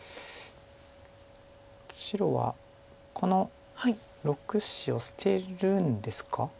白はこの６子を捨てるんですか？